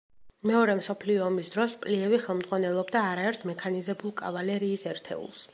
მეორე მსოფლიო ომის დროს პლიევი ხელმძღვანელობდა არაერთ მექანიზებულ კავალერიის ერთეულს.